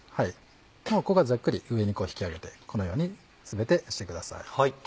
もうここはざっくり上に引き上げてこのように全てしてください。